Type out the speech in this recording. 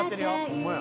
ホンマや。